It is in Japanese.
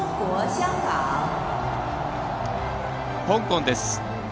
香港です。